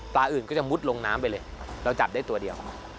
อื่นก็จะมุดลงน้ำไปเลยเราจับได้ตัวเดียว